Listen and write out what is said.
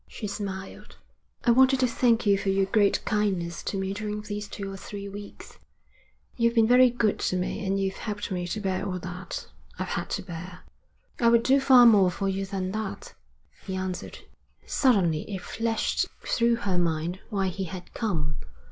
She smiled. 'I wanted to thank you for your great kindness to me during these two or three weeks. You've been very good to me, and you've helped me to bear all that I've had to bear.' 'I would do far more for you than that,' he answered. Suddenly it flashed through her mind why he had come.